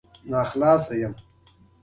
په غرمه کې لمر ډېر تاو وي